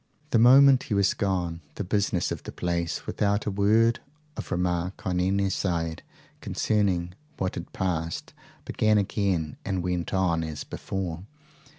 The moment he was gone, the business of the place, without a word of remark on any side concerning what had passed, began again and went on as before.